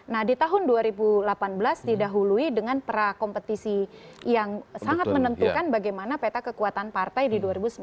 nah di tahun dua ribu delapan belas didahului dengan prakompetisi yang sangat menentukan bagaimana peta kekuatan partai di dua ribu sembilan belas